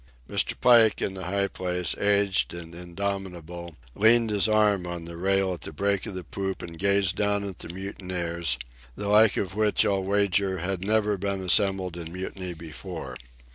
Mr. Pike, in the high place, aged and indomitable; leaned his arm on the rail at the break of the poop and gazed down at the mutineers, the like of which I'll wager had never been assembled in mutiny before.